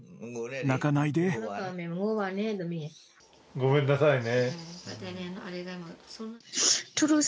ごめんなさいね。